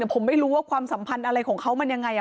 ผมไม่รู้ว่าความสัมพันธ์อะไรของเขามันยังไง